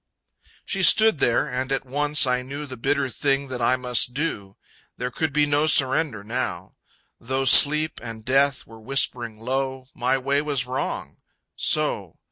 She stood there, and at once I knew The bitter thing that I must do. There could be no surrender now; Though Sleep and Death were whispering low. My way was wrong. So.